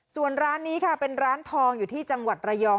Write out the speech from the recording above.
ส่วนร้านนี้ค่ะเป็นร้านทองอยู่ที่จังหวัดระยอง